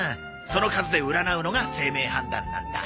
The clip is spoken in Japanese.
その数で占うのが姓名判断なんだ。